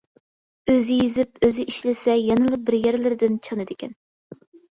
ئۆزى يېزىپ ئۆزى ئىشلىسە يەنىلا بىر يەرلىرىدىن چانىدىكەن.